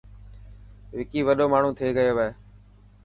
وڪي وڏو ماڻهو ٿي گيو هي.